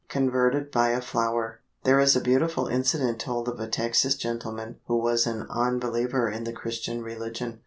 CONVERTED BY A FLOWER. There is a beautiful incident told of a Texas gentleman who was an unbeliever in the Christian religion.